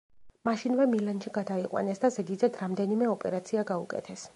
მაშინვე მილანში გადაიყვანეს და ზედიზედ რამდენიმე ოპერაცია გაუკეთეს.